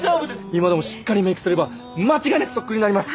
今でもしっかりメークすれば間違いなくそっくりになります！